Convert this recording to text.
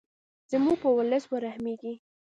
زموږ په ولس ورحمیږې.